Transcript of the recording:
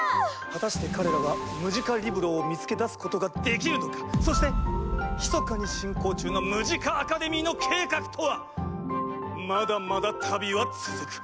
果たして彼らはムジカリブロを見つけ出すことができるのか⁉そしてひそかに進行中のムジカ・アカデミーの計画とは⁉まだまだ旅は続く。